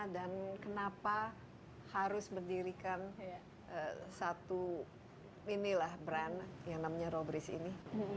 dan kenapa harus mendirikan satu inilah brand yang namanya robrizz ini